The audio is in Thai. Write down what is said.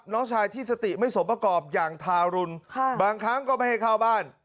น้องชายที่สติไม่สมประกอบอย่างทารุณบางครั้งก็ไม่ให้เข้าบ้าน